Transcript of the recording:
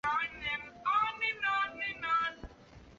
大盘䲟为䲟科大盘䲟属的鱼类。